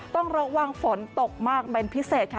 ต้องระวังฝนตกมากเป็นพิเศษค่ะ